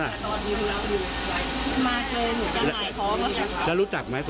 มาเกินหนูกับหน่ายพร้อม